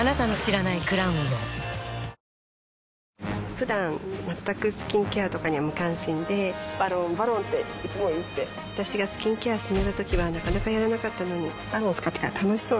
ふだん全くスキンケアとかに無関心で「ＶＡＲＯＮ」「ＶＡＲＯＮ」っていつも言って私がスキンケア勧めたときはなかなかやらなかったのに「ＶＡＲＯＮ」使ってから楽しそうだよね